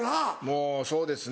もうそうですね